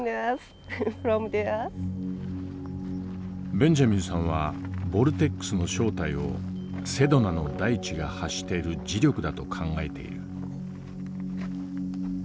ベンジャミンさんはボルテックスの正体をセドナの大地が発している磁力だと考えている。